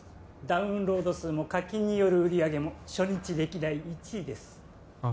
ダウンロード数も課金による売上も初日歴代１位ですああ